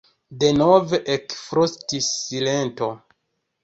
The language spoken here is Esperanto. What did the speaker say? Denove ekfrostis silento.